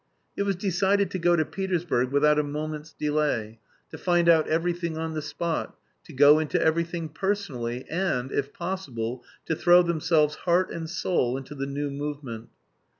It was decided to go to Petersburg without a moment's delay, to find out everything on the spot, to go into everything personally, and, if possible, to throw themselves heart and soul into the new movement.